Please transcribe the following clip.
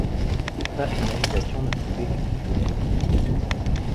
Pas une agitation ne troublait les couches de l’air.